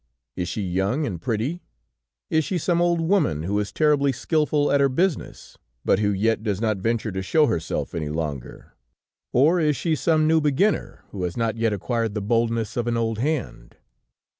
Is she young and pretty? Is she some old woman, who is terribly skillful at her business, but who yet does not venture to show herself any longer? Or is she some new beginner, who has not yet acquired the boldness of an old hand?